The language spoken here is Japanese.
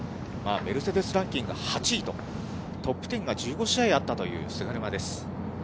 メルセデスランキング８位と、トップ１０が１５試合あったという、菅沼です。